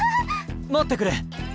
待ってくれ！